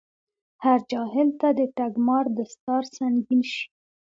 هر جاهل ته دټګمار دستار سنګين شي